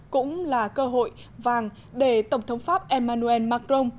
cũng là cơ hội vàng để tổng thống pháp emmanuel macron